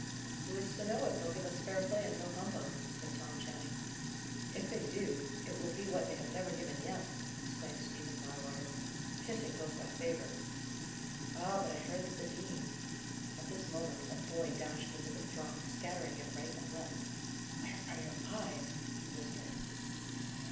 "Who is to know if they'll give us fair play and no humbug?' said Tom Channing. "If they do, it will be what they have never given yet!" exclaimed Stephen Bywater. "Kissing goes by favour." "Ah, but I heard that the dean " At this moment a boy dashed into the throng, scattering it right and left. "Where are your eyes?" he whispered.